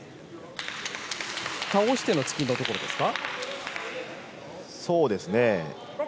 倒しての突きのところですか。